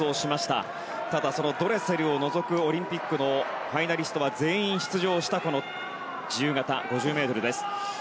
ただ、そのドレセルを除くオリンピックのファイナリストは全員、出場したこの自由形５０ｍです。